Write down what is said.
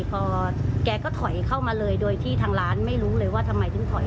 พอแกก็ถอยเข้ามาเลยโดยที่ทางร้านไม่รู้เลยว่าทำไมถึงถอย